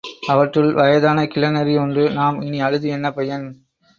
அவற்றுள் வயதான கிழ நரி ஒன்று, நாம் இனி அழுது என்ன பயன்?